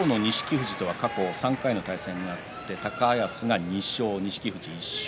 富士とは過去３回対戦があって高安が２勝です。